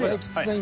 今。